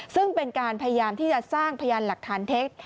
ซึ่งเป็นการพยายามที่จะสร้างพยานหลักฐานเท็จ